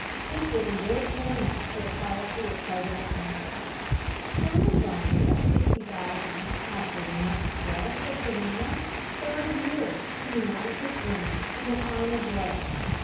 This was endorsement enough for the policy of President Lincoln. Sherman's army of sixty thousand, after a month's rest at Savannah, started north to unite with Grant in the final blow.